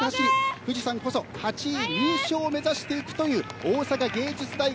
富士山こそ８位入賞を目指していくという大阪芸術大学